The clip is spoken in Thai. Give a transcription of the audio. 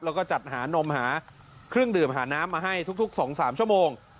แล้วก็จัดหานมหาเครื่องดื่มหาน้ำมาให้ทุก๒๓ชั่วโมง